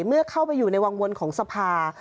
เมื่อเข้าไปอยู่ในวังวนของสภา